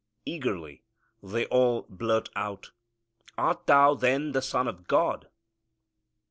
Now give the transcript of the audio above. Eagerly they all blurt out, "Art Thou then the Son of God?"